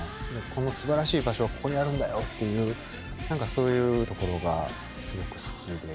このすばらしい場所はここにあるんだよっていう何かそういうところがすごく好きで。